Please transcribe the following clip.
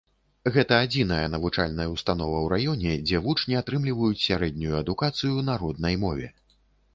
Гэта адзіная навучальная ўстанова ў раёне, дзе вучні атрымліваюць сярэднюю адукацыю на роднай мове.